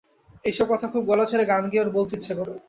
এই-সব কথা খুব গলা ছেড়ে গান গেয়ে ওর বলতে ইচ্ছে করে।